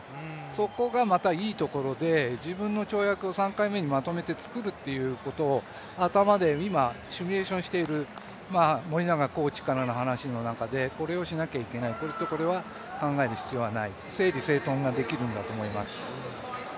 そこがまたいいところで、自分の跳躍を３回目にまとめて作るということを頭で今、シミュレーションしている森長コーチからの話の中でこれをしなきゃいけない、これとこれは考える必要がない、整理整頓ができるんだと思います。